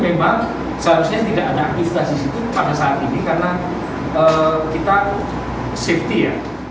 memang seharusnya tidak ada aktivitas di situ pada saat ini karena kita safety ya